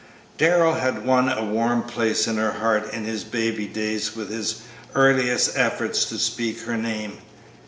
Darrell had won a warm place in her heart in his baby days with his earliest efforts to speak her name.